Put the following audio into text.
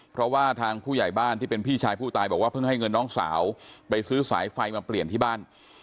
เพราะว่าทางผู้ใหญ่บ้านที่เป็นพี่ชายผู้ตายบอกว่าเพิ่งให้เงินน้องสาวไปซื้อสายไฟมาเปลี่ยนที่บ้าน